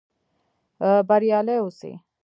بریالي اوسئ؟